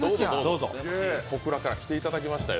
小倉から来ていただきましたよ